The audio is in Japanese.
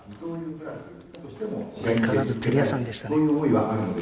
相変わらずてれ屋さんでしたね。